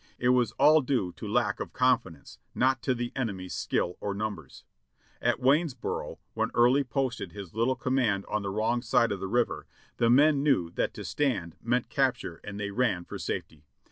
It was all due to lack of confidence, not to the enemy's skill or numbers. "At Waynesboro, when Early posted his little command on the wrong side of the river, the men knew that to stand meant capture and they ran for safety.